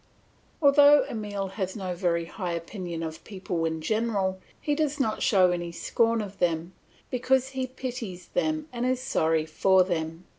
Although Emile has no very high opinion of people in general, he does not show any scorn of them, because he pities them and is sorry for them.